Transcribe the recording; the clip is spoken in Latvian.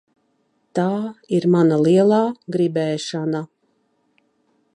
Tā ir mana lielā gribēšana.